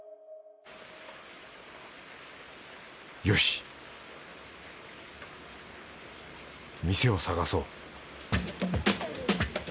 よし店を探そう